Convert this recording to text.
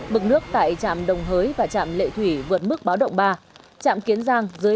bực nước tại trạm đồng hới và trạm lệ thủy vượt mức báo động ba